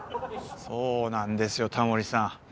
そうなんですよタモリさん。